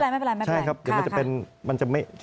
ไม่เป็นไร